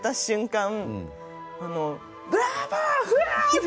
って。